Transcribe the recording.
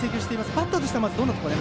バッターとしてはどういうところを？